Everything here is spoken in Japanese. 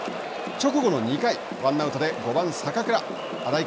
直後の２回ワンアウトで５番坂倉。